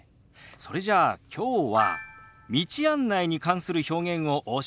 それじゃあきょうは道案内に関する表現をお教えしましょう。